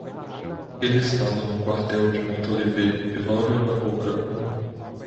Ele estava no quartel de Montolivet e logo embarcou para Cuba.